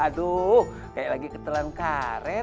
aduh kayak lagi ketelan karet